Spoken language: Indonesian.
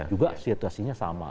juga situasinya sama